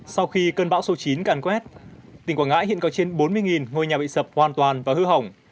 sau khi cơn bão số chín càn quét tỉnh quảng ngãi hiện có trên bốn mươi ngôi nhà bị sập hoàn toàn và hư hỏng